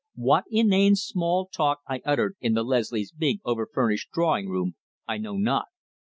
What inane small talk I uttered in the Leslies' big, over furnished drawing room I know not.